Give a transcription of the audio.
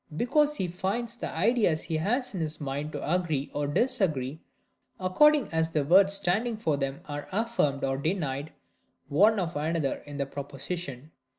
because he finds the ideas he has in his mind to agree or disagree, according as the words standing for them are affirmed or denied one of another in the proposition.